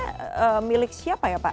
kepemilikan kapalnya milik siapa ya pak